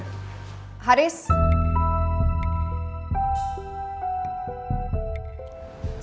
aku sarapan dulu